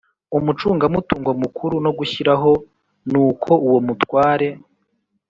Umucungamutungo mukuru no gushyiraho nuko uwo mutware